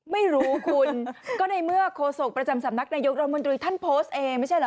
ไม่รู้คุณก็ในเมื่อโคศกธรรมนาคนายกรมนุษย์ท่านโพสต์เองไม่ใช่เหรอ